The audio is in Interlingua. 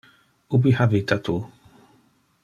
Ubi habita tu?